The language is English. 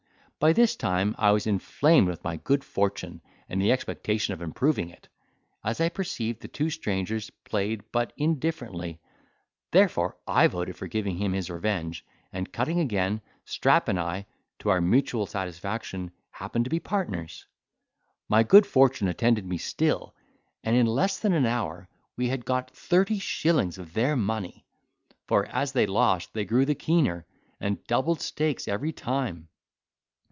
By this time I was inflamed with my good fortune and the expectation of improving it, as I perceived the two strangers played but indifferently; therefore I voted for giving him his revenge: and cutting again, Strap and I, to our mutual satisfaction, happened to be partners. My good fortune attended me still, and in less than an hour we had got thirty shillings of their money, for as they lost they grew the keener, and doubled stakes every time.